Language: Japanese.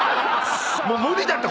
もう無理だって！